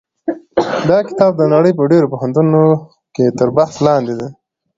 دا کتاب د نړۍ په ډېرو پوهنتونونو کې تر بحث لاندې دی.